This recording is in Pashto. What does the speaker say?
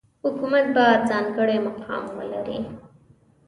حکومت به ځانګړی مقام ولري.